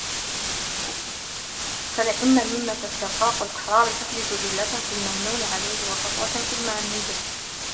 فَلِأَنَّ الْمِنَّةَ اسْتِرْقَاقُ الْأَحْرَارِ تُحْدِثُ ذِلَّةً فِي الْمَمْنُونِ عَلَيْهِ وَسَطْوَةً فِي الْمَانِّ بِهِ